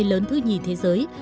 lớn thứ hai thế giới